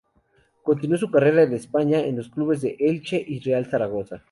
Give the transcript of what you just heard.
Continuó su carrera en España, en los clubes Elche y Real Zaragoza.